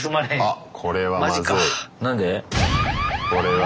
あっこれはまずい。